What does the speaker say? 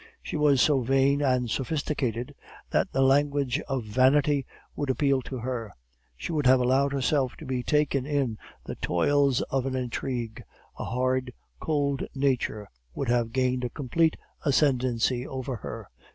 She was so vain and sophisticated, that the language of vanity would appeal to her; she would have allowed herself to be taken in the toils of an intrigue; a hard, cold nature would have gained a complete ascendency over her.